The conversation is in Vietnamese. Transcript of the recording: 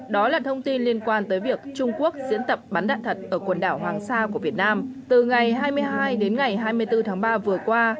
đó là thông tin liên quan tới việc trung quốc diễn tập bắn đạn thật ở quần đảo hoàng sa của việt nam từ ngày hai mươi hai đến ngày hai mươi bốn tháng ba vừa qua